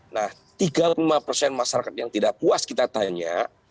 nah tiga puluh lima persen masyarakat yang tidak puas kita tanya